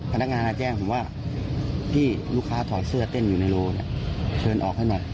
พนักงานแจ้งผมว่าที่ลูกค้าถอดเสื้อเต้นอยู่ในโรงเชิญออกให้มา